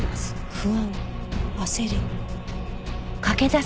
「不安」「焦り」。